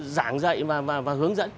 giảng dạy và hướng dẫn